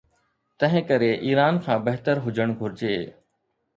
تنهنڪري ايران کان بهتر هجڻ گهرجي.